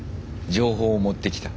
情報を持ってきた。